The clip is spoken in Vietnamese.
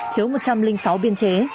thiếu một trăm linh sáu biên chế